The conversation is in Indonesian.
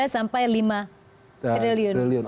tiga sampai lima triliun